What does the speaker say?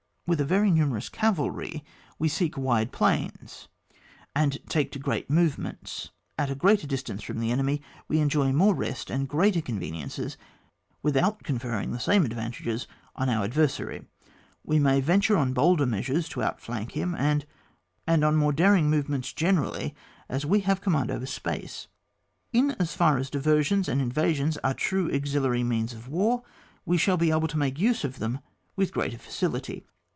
"With a very numerous cavalry we seek wide plains, and take to great movements. At a greater distance from the enemy we enjoy more rest and greater conveniences without conferring the same advantages on our adversary. We may venture on bolder measures to outflank him, and on more daring movements generally, as we have command over space. In as far as diversions and inva sions are true auxiliary means of war we shall be able to make use of them with greater facility.